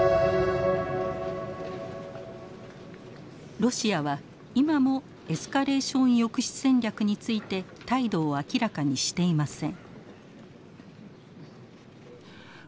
ロシアは今もエスカレーション抑止戦略について態度を明らかにしていません。